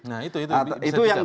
nah itu bisa dicegah